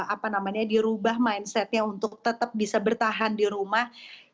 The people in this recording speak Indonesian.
apa namanya dirubah mindsetnya untuk tetap bisa bertahan di rumah